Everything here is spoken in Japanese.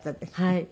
はい。